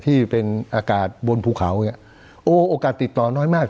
ที่เป็นอากาศบนภูเขาเนี่ยโอ้โอกาสติดต่อน้อยมาก